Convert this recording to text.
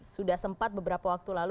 sudah sempat beberapa waktu lalu